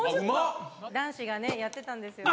男子がやってたんですよ。